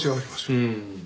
うん。